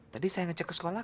tadi saya ngecek ke sekolah